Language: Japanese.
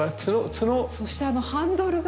そしてあのハンドルが。